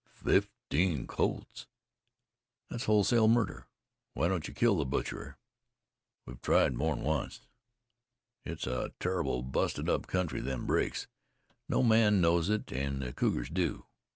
"Fifteen colts! That's wholesale murder. Why don't you kill the butcher?" "We've tried more'n onct. It's a turrible busted up country, them brakes. No man knows it, an' the cougars do.